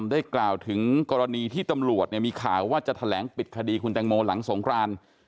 ได้กล่าวถึงกรณีที่ตำรวจมีข่าวว่าจะแถลงปิดคดีคุณแตงโมหลังสงคราน